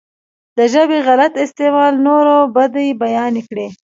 د ژبې غلط استعمال نورو بدۍ بيانې کړي.